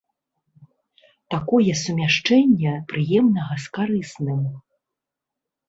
Такое сумяшчэнне прыемнага з карысным.